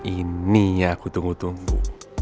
ini yang aku tunggu tunggu